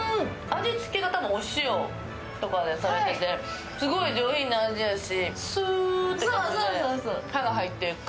味付けがお塩とかでされててすごく上品な味やし。